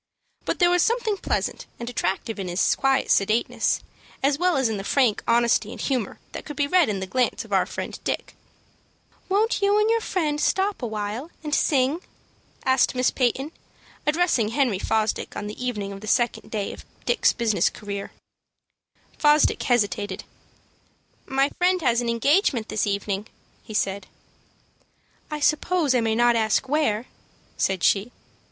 But there was something pleasant and attractive in his quiet sedateness, as well as in the frank honesty and humor that could be read in the glance of our friend Dick. "Won't you and your friend stop a little while and sing?" asked Miss Peyton, addressing Henry Fosdick on the evening of the second day of Dick's business career. Fosdick hesitated. "My friend has an engagement this evening," he said. "I suppose I may not ask where," said she.